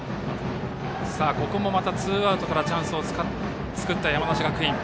ここもまたツーアウトからチャンスを作った山梨学院。